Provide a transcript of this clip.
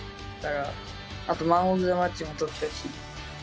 あと、マンオブザマッチも取ったし。